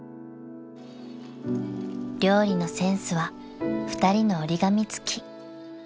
［料理のセンスは２人の折り紙付き］